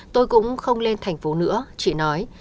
tôi cũng không lên tp nữa chị nói